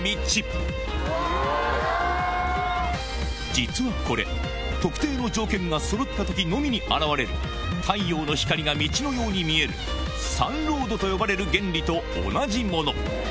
実はこれ特定の条件がそろった時のみに現れる太陽の光が道のように見えるサンロードと呼ばれる原理と同じもの